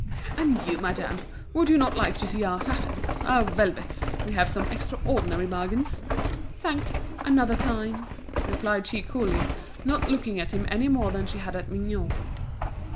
"And you, madame, would you not like to see our satins, our velvets? We have some extraordinary bargains." "Thanks, another time," replied she coolly, not looking at him any more than she had at Mignot.